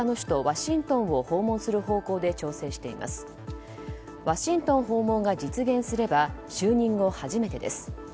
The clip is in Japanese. ワシントン訪問が実現すれば就任後初めてです。